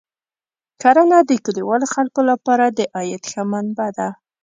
کرنه د کلیوالو خلکو لپاره د عاید ښه منبع ده.